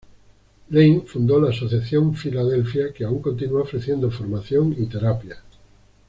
Laing fundó la Asociación Filadelfia que aún continúa ofreciendo formación y terapia.